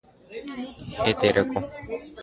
Hetereko.